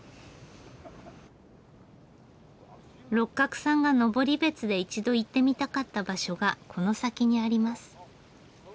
六角さんが登別で一度行ってみたかった場所がこの先にあります。